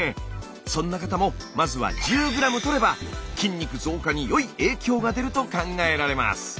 そんな方もまずは１０ｇとれば筋肉増加に良い影響が出ると考えられます。